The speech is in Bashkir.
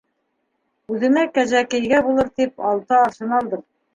Үҙемә кәзәкейгә булыр тип алты аршын алдым.